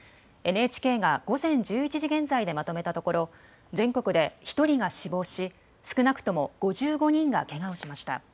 ＮＨＫが午前１１時現在でまとめたところ全国で１人が死亡し、少なくとも５５人がけがをしました。